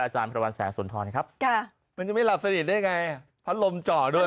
อาจารย์ภรรณแสนสุนทรครับค่ะมันจะไม่หลับสนิทได้ไงเพราะลมจ่อด้วย